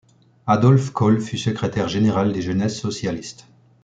Adolphe Coll fut secrétaire général des Jeunesses socialistes.